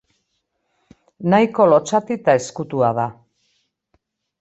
Nahiko lotsati eta ezkutua da.